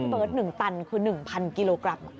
เปิด๑ตันคือ๑๐๐๐กิโลกรัม